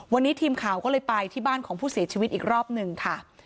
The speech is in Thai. วันนี้ทีมข่าวก็เลยไปที่บ้านของผู้เสียชีวิตอีกรอบหนึ่งค่ะ